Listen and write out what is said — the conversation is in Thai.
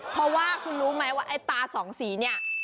เพราะว่าคุณรู้ไหมว่าไอ้ตาสองสีเนี่ย